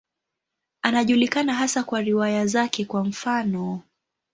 Anajulikana hasa kwa riwaya zake, kwa mfano.